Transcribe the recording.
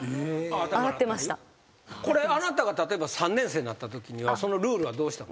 これあなたが３年生になったときにはそのルールはどうしたの？